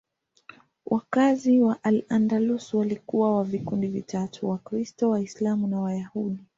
Wakazi wa Al-Andalus walikuwa wa vikundi vitatu: Wakristo, Waislamu na Wayahudi.